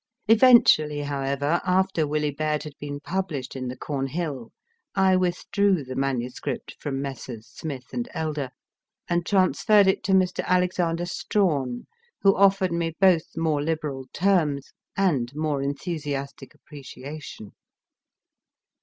Eventually, however, alter Willie Baird had been published in the withdrew the manuscript from Messrs. Smith and Elder, and transferred it to Mr. Alexander Strahan, who offered me both more liberal terms and more enthusiastic appreciation.